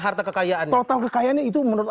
harta kekayaan total kekayaannya itu menurut